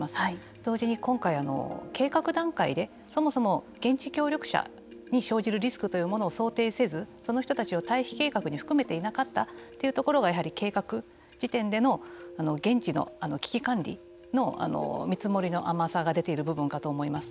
同時に今回計画段階でそもそも現地協力者に生じるリスクというものを想定せずその人たちを退避計画に含めていなかったというところがやはり計画時点での現地の危機管理の見積もりの甘さが出ている部分かと思います。